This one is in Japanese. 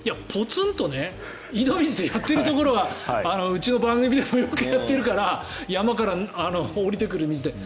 ぽつんと井戸水でやっているところはうちの番組でもよくやっているから山から下りてくる水で。